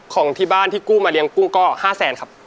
ของที่บ้านที่กู้มาเลี้ยงกุ้งก็๕แสนครับ